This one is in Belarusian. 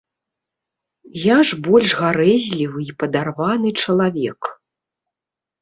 Я ж больш гарэзлівы і падарваны чалавек.